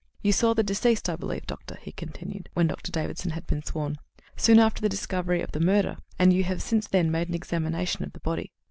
You saw the deceased, I believe, Doctor," he continued, when Dr. Davidson had been sworn, "soon after the discovery of the murder, and you have since then made an examination of the body?"